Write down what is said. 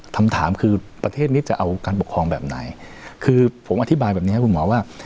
คำถามคือประเทศนี้จะเอาการปกครองแบบไหนคือผมอธิบายแบบนี้คุณหมอว่า